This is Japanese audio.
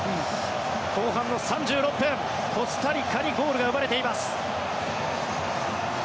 後半の３６分、コスタリカにゴールが生まれています。